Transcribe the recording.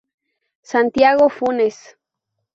Santiago Funes.